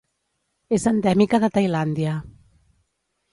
És endèmica de Tailàndia.